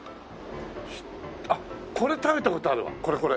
あっこれ食べた事あるわこれこれ。